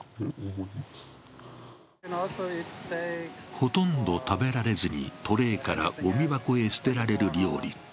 ほとんど食べられずにトレイからごみ箱へ捨てられる料理。